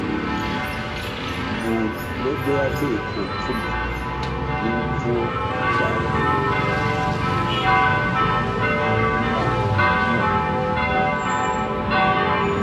Burʼ bobehya beh koh pfunde linʼ mbvuo tahre na nwo,